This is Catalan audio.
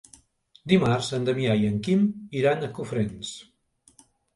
Dimarts en Damià i en Quim iran a Cofrents.